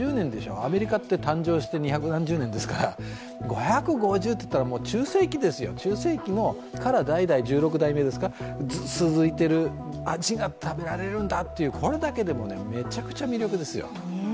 アメリカって誕生して２００何十年ですから、５５０といったら中世期ですよ、中世期から代々１６代目ですか、続いている味が食べられるんだという、これだけでもね、めちゃくちゃ魅力ですよ。